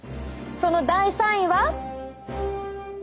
その第３位は。